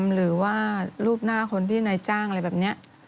หรือว่ารูปหน้าคนที่นายจ้างอะไรแบบนี้